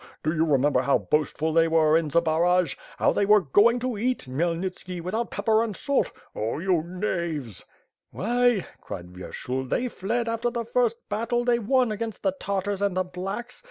Do you remember how boastful they w«Te in Zbaraj, how they were going to eat Khmyelnitski, without pepper and salt? Oh you knaves!" "Why," cried Vyershul, "they fled after the first battle they won against the Tartars and the ^blacks'.